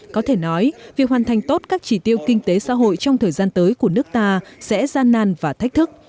có thể nói việc hoàn thành tốt các chỉ tiêu kinh tế xã hội trong thời gian tới của nước ta sẽ gian nan và thách thức